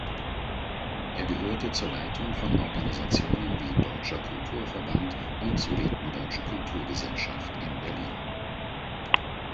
Er gehörte zur Leitung von Organisationen wie "Deutscher Kulturverband" und "Sudetendeutsche Kulturgesellschaft" in Berlin.